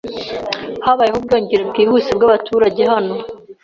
Habayeho ubwiyongere bwihuse bwabaturage hano.